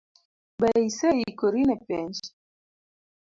Be ise ikori ne penj?